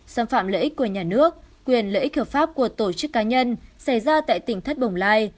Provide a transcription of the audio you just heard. xâm phạm lợi ích của nhà nước quyền lợi ích hợp pháp của tổ chức cá nhân xảy ra tại tỉnh thất bồng lai